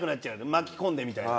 巻き込んでみたいな。